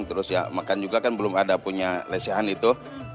terus ya makan juga kan belum ada punya lesehan itu